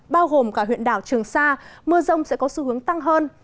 bao gồm cả huyện đảo trường sa mưa rông sẽ có xu hướng tăng hơn